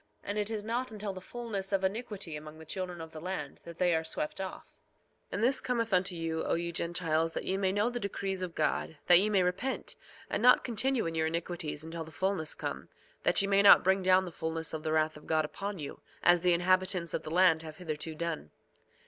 And it is not until the fulness of iniquity among the children of the land, that they are swept off. 2:11 And this cometh unto you, O ye Gentiles, that ye may know the decrees of God—that ye may repent, and not continue in your iniquities until the fulness come, that ye may not bring down the fulness of the wrath of God upon you as the inhabitants of the land have hitherto done.